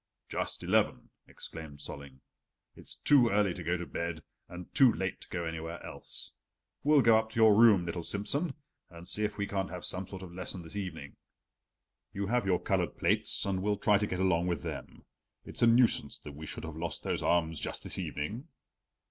"Just eleven," exclaimed Solling. "It's too early to go to bed, and too late to go anywhere else. We'll go up to your room, little Simsen, and see if we can't have some sort of a lesson this evening. You have your colored plates and we'll try to get along with them. It's a nuisance that we should have lost those arms just this evening."